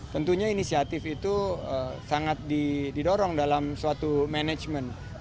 tentunya inisiatif itu sangat didorong dalam suatu manajemen